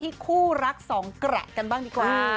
คู่รักสองกระกันบ้างดีกว่า